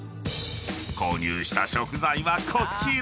［購入した食材はこちら］